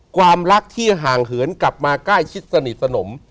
ความรักที่ห่างเหินกลับมาใกล้ชิดสนิทสนม